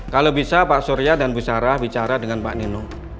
kalau bisa pak surya dan bu sarah bicara dengan pak nino